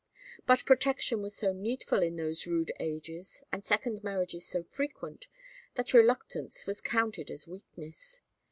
But protection was so needful in those rude ages, and second marriages so frequent, that reluctance was counted as weakness.